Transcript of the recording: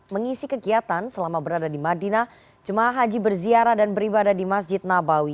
mengisi kegiatan selama berada di madinah jemaah haji berziarah dan beribadah di masjid nabawi